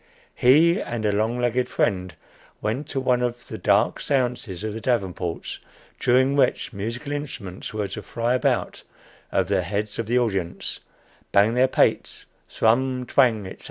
He and a long legged friend went to one of the "dark séances" of the Davenports, during which musical instruments were to fly about over the heads of the audience, bang their pates, thrum, twang, etc.